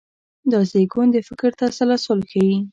دا زېږون د فکر تسلسل ښيي.